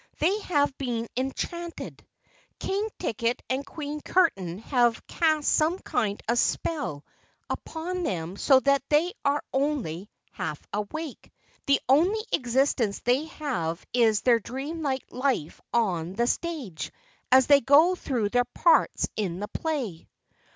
They have been enchanted. King Ticket and Queen Curtain have cast some kind of spell upon them so that they are only half awake. The only existence they have is their dream like life on the stage as they go through their parts in the play."